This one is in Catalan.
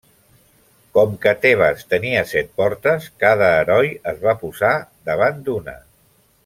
Com que Tebes tenia set portes, cada heroi es va posar davant d'una.